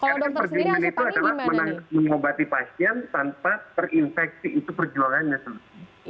karena perjuangan itu adalah mengobati pasien tanpa terinfeksi itu perjuangannya